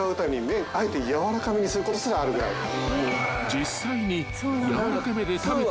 ［実際に］